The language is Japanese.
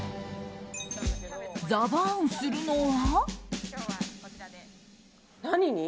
ザバーンするのは。